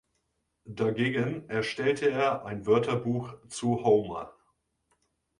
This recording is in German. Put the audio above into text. Dagegen erstellte er ein Wörterbuch zu Homer.